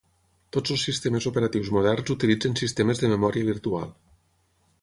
Tots els sistemes operatius moderns utilitzen sistemes de memòria virtual.